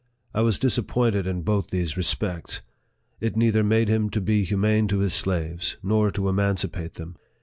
I was disappointed in both these respects. It neither made him to be humane to his slaves, nor to emancipate them.